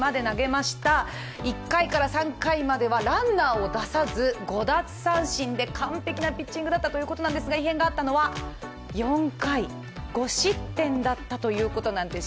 １回から３回までランナーを出さず５奪三振で完璧なピッチングだったということなんですが異変があったのは４回、５失点だったということなんです。